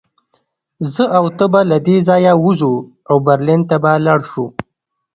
زه او ته به له دې ځایه ووځو او برلین ته به لاړ شو